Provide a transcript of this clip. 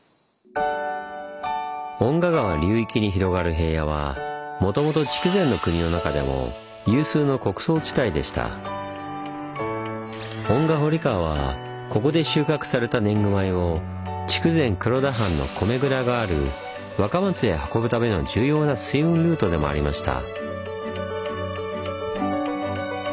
遠賀川流域に広がる平野はもともと遠賀堀川はここで収穫された年貢米を筑前黒田藩の米蔵がある若松へ運ぶための重要な水運ルートでもありました。